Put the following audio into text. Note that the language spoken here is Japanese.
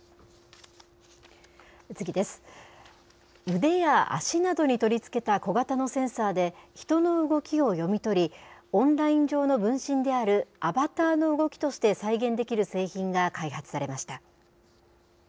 腕や足などに取り付けた小型のセンサーで、人の動きを読み取り、オンライン上の分身であるアバターの動きとして再現できる製品が開発されました。